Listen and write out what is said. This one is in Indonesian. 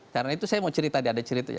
karena itu saya mau cerita tadi ada cerita